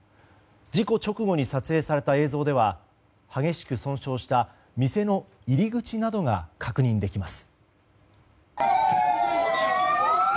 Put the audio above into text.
事故直後に撮影された映像では激しく損傷した店の入り口などが確認できます。